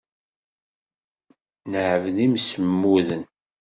Neɛbed imsemmuden.